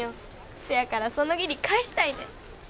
そやからその義理返したいねん。